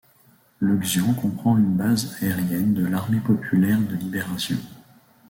Le xian comprend une base aérienne de l'armée populaire de libération.